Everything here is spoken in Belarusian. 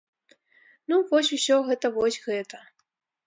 Ну, вось усё гэта вось гэта.